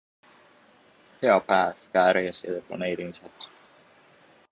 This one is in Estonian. Hea päev ka äriasjade planeerimiseks.